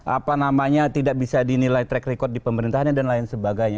apa namanya tidak bisa dinilai track record di pemerintahnya dan lain sebagainya